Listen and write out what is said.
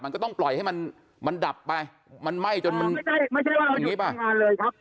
มันก็ต้องปล่อยให้มันดับไปมันไหม้จนไม่ใช่ว่าเราอยู่ทางงานเลยครับ